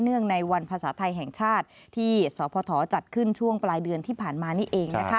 งในวันภาษาไทยแห่งชาติที่สพจัดขึ้นช่วงปลายเดือนที่ผ่านมานี่เองนะคะ